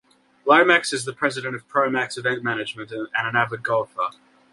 Lomax is the president of ProMax Event Management and an avid golfer.